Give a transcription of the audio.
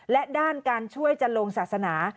และด้านการช่วยจะลงศาสนา